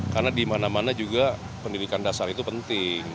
karena di mana mana juga pendidikan dasar itu penting